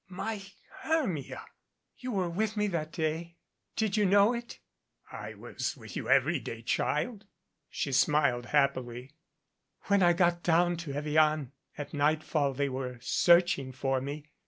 "My Hermia!" "You were with me that day. Didn't you know it?" "I was with you every day, child." She smiled happily. "When I got down to Evian at nightfall they were searching for me.